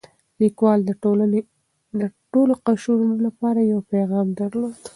لیکوال د ټولنې د ټولو قشرونو لپاره یو پیغام درلود.